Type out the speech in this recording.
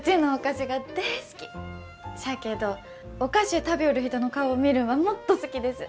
しゃあけどお菓子ゅう食びょうる人の顔を見るんはもっと好きです。